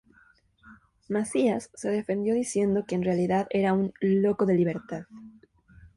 Macías se defendió diciendo que en realidad era un "loco de libertad".